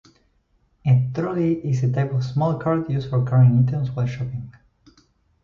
A trolley is a type of small cart used for carrying items while shopping.